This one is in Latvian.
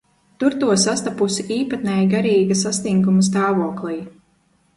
Tur to sastapusi īpatnēja garīga sastinguma stāvoklī.